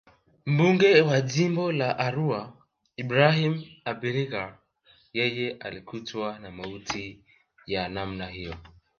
Mbunge wa Jimbo la Arua Ibrahim Abiriga yeye alikutwa na mauti ya namna hiyo